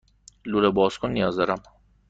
لوله بازکن نیاز دارم.